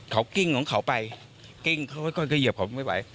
เขากิ้งของเขาไปกิ้งเขาก็เหยียบผมไม่ไหว